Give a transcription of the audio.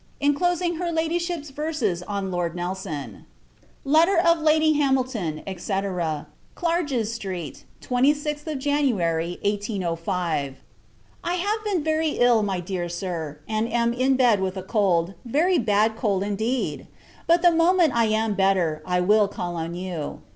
INCLOSING Her Ladyship's Verses on Lord Nelson. Letter OF Lady Hamilton, &c. Clarges Street, [26th January 1805.] I have been very ill, my Dear Sir; and am in bed with a cold, very bad cold indeed! But, the moment I am better, I will call on you.